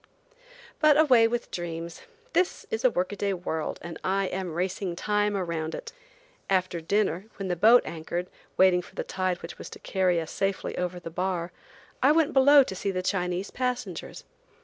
But away with dreams. This is a work a day world and I am racing Time around it. After dinner, when the boat anchored, waiting for the tide which was to carry us safely over the bar, I went below to see the Chinese passengers.